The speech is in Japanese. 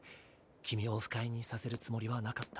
君を不快にさせるつもりはなかった。